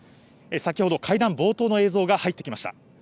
先ほど、会談冒頭の映像が入ってきました。